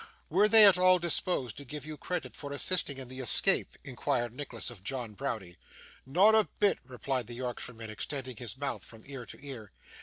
'Were they at all disposed to give you credit for assisting in the escape?' inquired Nicholas of John Browdie. 'Not a bit,' replied the Yorkshireman, extending his mouth from ear to ear.